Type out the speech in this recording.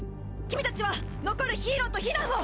君達は残るヒーローと避難を！